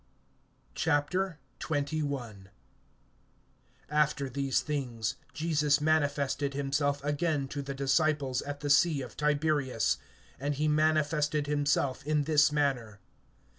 XXI. AFTER these things Jesus manifested himself again to the disciples at the sea of Tiberias; and he manifested himself in this manner.